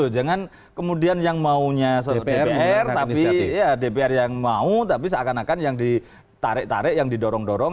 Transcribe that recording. jangan kemudian yang maunya dpr tapi seakan akan yang ditarik tarik yang didorong dorong